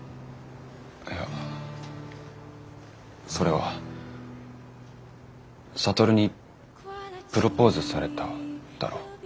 いやそれは智にプロポーズされただろ？